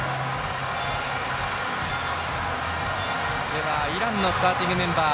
ではイランのスターティングメンバー。